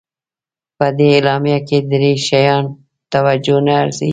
په دې اعلامیه کې درې شیان توجه ته ارزي.